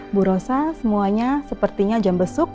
mbak rosa semuanya sepertinya jam besok